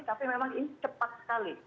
tapi memang ini cepat sekali